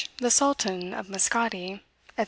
the Sultan of Mascate, etc.